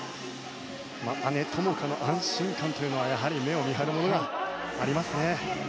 姉・友花の安心感というのはやはり目を見張るものがありますね。